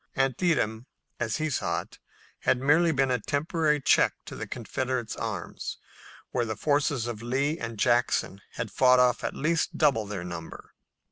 Antietam, as he saw it, had merely been a temporary check to the Confederate arms, where the forces of Lee and Jackson had fought off at least double their number.